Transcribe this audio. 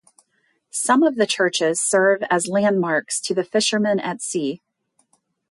Some of the churches serve as landmarks to the fishermen at sea.